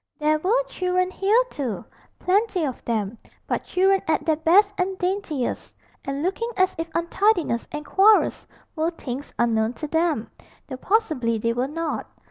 There were children here too plenty of them but children at their best and daintiest, and looking as if untidiness and quarrels were things unknown to them though possibly they were not.